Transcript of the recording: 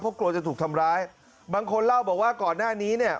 เพราะกลัวจะถูกทำร้ายบางคนเล่าบอกว่าก่อนหน้านี้เนี่ย